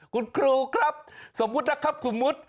คุณครูครับสมมุตินะครับคุณมุติ